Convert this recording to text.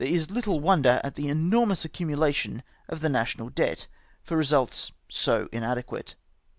is little wonder at the enormous accumulation of the national debt, for results so inadequate.